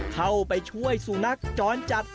เข้าไปช่วยสุนัขจรจัด